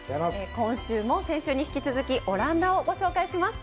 今週も先週に引き続きオランダをご紹介します。